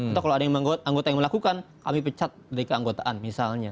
atau kalau ada yang anggota yang melakukan kami pecat dari keanggotaan misalnya